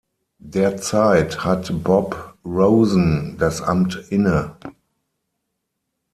Derzeit hat Bob Roosen das Amt inne.